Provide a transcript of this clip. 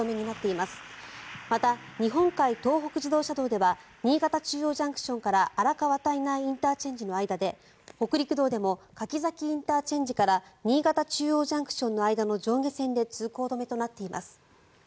また、日本海東北自動車道では新潟中央ＪＣＴから荒川胎内ＩＣの間で北陸道でも柿崎ＩＣから新潟中央ＪＣＴの間の上下線で通行止めとなっています。